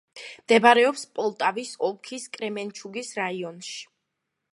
მდებარეობს პოლტავის ოლქის კრემენჩუგის რაიონში.